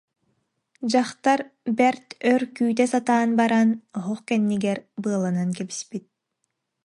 Дьахтар бэрт өр күүтэ сатаан баран, оһох кэннигэр быаланан кэбиспит